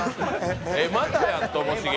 またや、ともしげ。